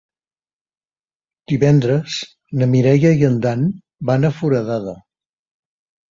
Divendres na Mireia i en Dan van a Foradada.